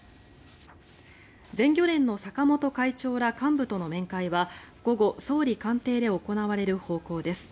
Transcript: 全漁連の坂本会長ら幹部との面会は午後、総理官邸で行われる方向です。